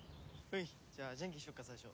じゃあジャンケンしようか最初。